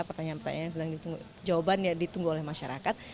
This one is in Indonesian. pertanyaan pertanyaan yang sedang ditunggu jawaban yang ditunggu oleh masyarakat